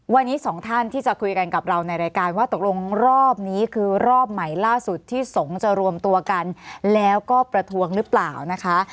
วันนี้สองท่านที่จะคุยกันกับเราในรายการว่าตกลงรอบนี้คือรอบใหม่ล่าสุดที่สงฆ์จะรวมตัวกันแล้วก็ประท้วงหรือเปล่านะคะ